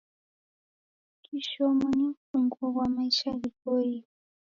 Kishomo ni mfunguo ghwa maisha ghiboie.